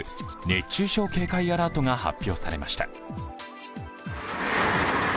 熱中症警戒アラートが発表されました。